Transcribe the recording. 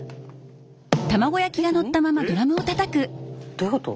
どういうこと？